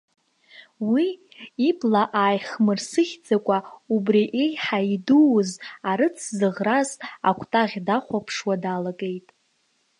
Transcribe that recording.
Уи, ибла ааихмырсыӷьӡакәа, убри еиҳа идууз, арыц зыӷраз, акәтаӷь дахәаԥшуа далагеит.